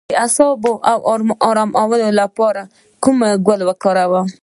د اعصابو ارامولو لپاره کوم ګل وکاروم؟